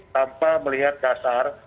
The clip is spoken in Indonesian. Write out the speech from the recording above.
tanpa melihat dasar